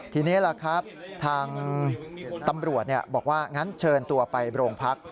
ทีนี้ล่ะครับทางตำรวจบอกว่างั้นเชิญตัวไปโรงพัก